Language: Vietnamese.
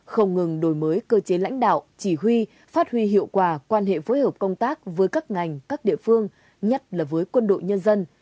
không ngừng đổi mới cơ chế lãnh đạo chỉ huy phát huy hiệu quả quan hệ phối hợp công tác với các ngành các địa phương nhất là với quân đội nhân dân